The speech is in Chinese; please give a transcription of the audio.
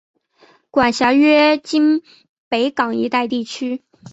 管辖约今北港一带区域。